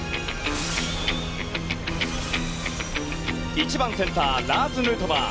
１番センターラーズ・ヌートバー。